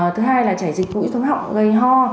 thứ hai là chảy dịch mũi thông họng gây ho